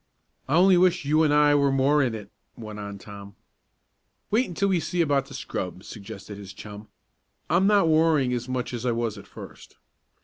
"I only wish you and I were more in it," went on Tom. "Wait until we see about the scrub," suggested him chum. "I'm not worrying as much as I was at first."